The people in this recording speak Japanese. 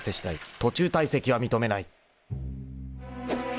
［途中退席は認めない］